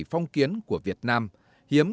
phong kiến của việt nam hiếm